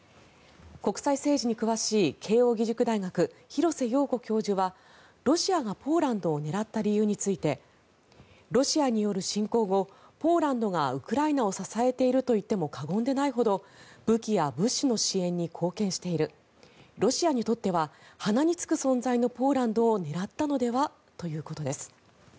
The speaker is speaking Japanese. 国際政治に詳しい慶応義塾大学廣瀬陽子教授は、ロシアがポーランドを狙った理由についてロシアによる侵攻後ポーランドがウクライナを支えているといっても過言ではないほど武器や物資の支援に貢献しているロシアにとっては鼻につく存在のポーランドを狙ったのではということです。